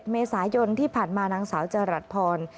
เมษายนที่ผ่านมานางสาวจรัสพร